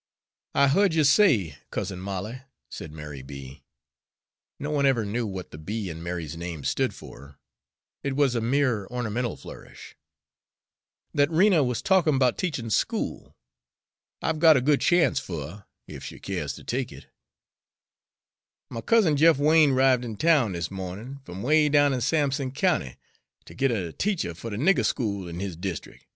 "I heared you say, Cousin Molly," said Mary B. (no one ever knew what the B. in Mary's name stood for, it was a mere ornamental flourish), "that Rena was talkin' 'bout teachin' school. I've got a good chance fer her, ef she keers ter take it. My cousin Jeff Wain 'rived in town this mo'nin', f'm 'way down in Sampson County, ter git a teacher fer the nigger school in his deestric'.